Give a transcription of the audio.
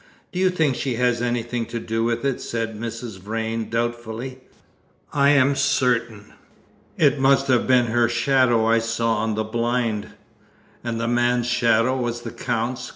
"Do you think she has anything to do with it?" said Mrs. Vrain doubtfully. "I am certain. It must have been her shadow I saw on the blind." "And the man's shadow was the Count's?"